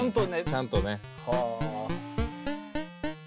ちゃんとね。